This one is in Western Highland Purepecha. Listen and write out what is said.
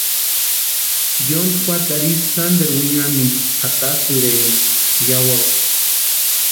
Yontki juatarhu ísï sánteru winhamintu antatsirasïrempti yawakwa.